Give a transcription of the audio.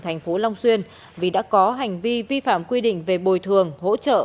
thành phố long xuyên vì đã có hành vi vi phạm quy định về bồi thường hỗ trợ